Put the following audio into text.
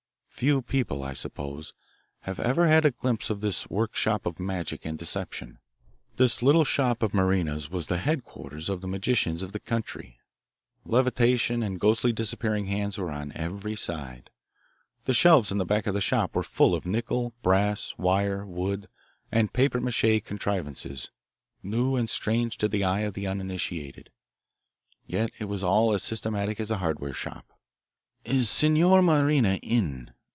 Few people, I suppose, have ever had a glimpse of this workshop of magic and deception. This little shop of Marina's was the headquarters of the magicians of the country. Levitation and ghostly disappearing hands were on every side. The shelves in the back of the shop were full of nickel, brass, wire, wood, and papier mache contrivances, new and strange to the eye of the uninitiated. Yet it was all as systematic as a hardware shop. "Is Signor Marina in?"